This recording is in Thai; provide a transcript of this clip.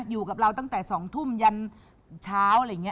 อยู่กับเราตั้งแต่๒ทุ่มยันเช้าอะไรอย่างนี้